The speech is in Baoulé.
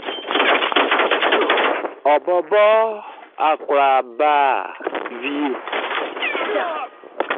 Ɔ bɔbɔ kwla ba wie.